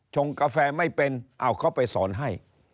งกาแฟไม่เป็นเอาเขาไปสอนให้